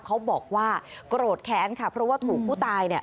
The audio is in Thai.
เขาบอกว่าโกรธแค้นค่ะเพราะว่าถูกผู้ตายเนี่ย